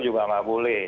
juga nggak boleh